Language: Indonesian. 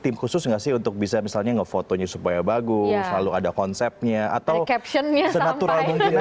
tim khusus nggak sih untuk bisa misalnya nge fotonya supaya bagus selalu ada konsepnya atau senatural mungkin